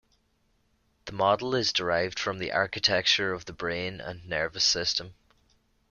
The model is derived from the architecture of the brain and nervous system.